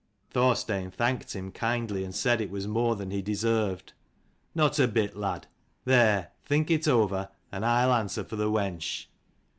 Thorstein thanked him kindly, and said it was more than he deserved. " Not a bit, lad. There, think it over, and I'll answer for the wench."